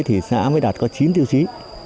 thì xã mới đạt có chín tiêu chí